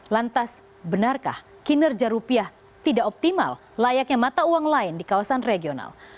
lantas benarkah kinerja rupiah tidak optimal layaknya mata uang lain di kawasan regional